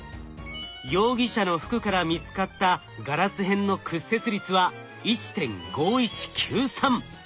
容疑者の服から見つかったガラス片の屈折率は１．５１９３。